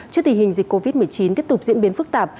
trước tình hình dịch covid một mươi chín tiếp tục diễn biến phức tạp